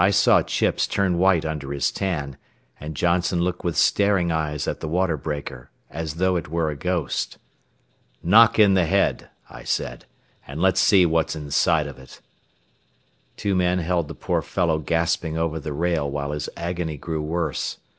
I saw Chips turn white under his tan, and Johnson look with staring eyes at the water breaker, as though it were a ghost. "Knock in the head," I said, "and let's see what's inside of it." Two men held the poor fellow gasping over the rail while his agony grew worse.